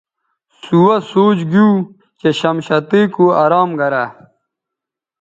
سوہسوچ گیو چہ شمشتئ کو ارام گرہ